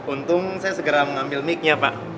untung saya segera mengambil mic nya pak